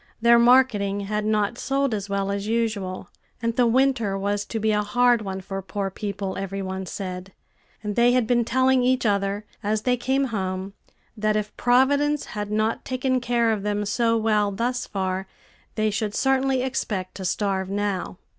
Their marketing had not sold as well as usual, and the winter was to be a hard one for poor people, every one said; and they had been telling each other, as they came home, that if Providence had not taken care of them so well thus far, they should certainly expect to starve now.